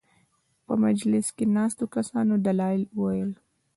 په مجلس کې ناستو کسانو دلایل وویل.